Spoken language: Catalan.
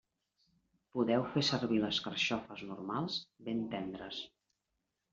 Podeu fer servir les carxofes normals, ben tendres.